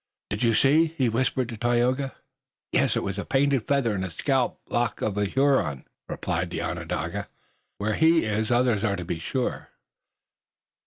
"Did you see!" he whispered to Tayoga. "Yes. It was a painted feather in the scalp lock of a Huron," replied the Onondaga. "And where he is others are sure to be."